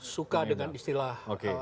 suka dengan istilah